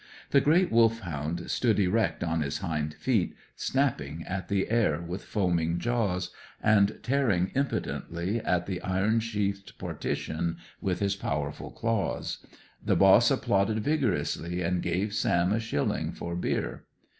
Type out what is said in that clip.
The great Wolfhound stood erect on his hind feet, snapping at the air with foaming jaws, and tearing impotently at the iron sheathed partition with his powerful claws. The boss applauded vigorously, and gave Sam a shilling for beer.